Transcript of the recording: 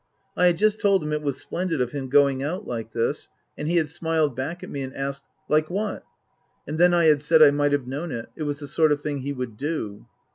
I had just told him it was splendid of him going out like this, and he had smiled back at me and asked, " Like what ?" And then I had said I might have known it ; it was the sort of thing he would do.